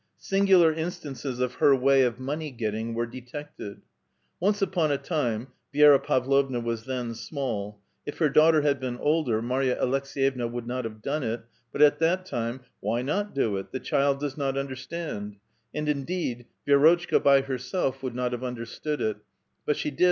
Singular instances of her way of money getting were detected. Once upon a time — Vi^ra Pavlovna was then small ; if her daughter had been older, Marya Aleks^yevna would not have done it, but at that time " why not do it? the child does not understand "; and indeed, Vi^rotchka bv herself would not have understood it, but she did.